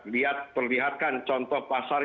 lihat perlihatkan contoh pasar